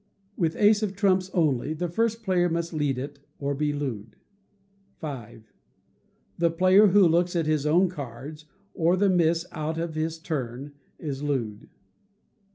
With ace of trumps only, the first player must lead it, or be looed. v. The player who looks at his own cards, or the miss out of his turn, is looed.